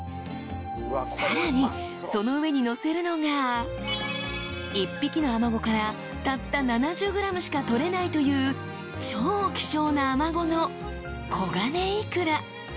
［さらにその上にのせるのが１匹のあまごからたった７０ｇしかとれないという超希少なあまごの黄金イクラ］